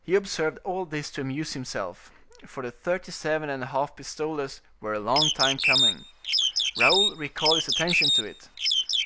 He observed all this to amuse himself, for the thirty seven and a half pistoles were a long time coming. Raoul recalled his attention to it.